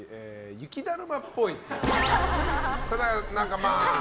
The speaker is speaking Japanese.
雪だるまっぽい。